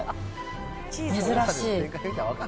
珍しい。